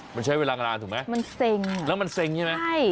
มันใช้เวลานานถูกไหมมันเซ็งแล้วมันเซ็งใช่ไหมใช่